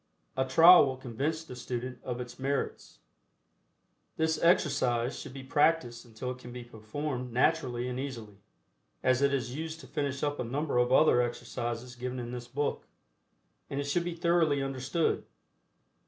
A trial will convince the student of its merits. This exercise should be practiced until it can be performed naturally and easily, as it is used to finish up a number of other exercises given in this book, and it should be thoroughly understood.